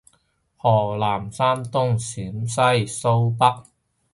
河南山東陝西蘇北